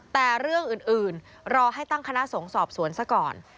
แต่เรื่องอื่นรอให้ตั้งคณะสงฆ์สอบสวนซะก่อน